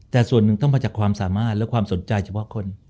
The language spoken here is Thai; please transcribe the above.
แต่ส่วนหนึ่งต้องมาจากความสามารถและความสนใจเฉพาะคน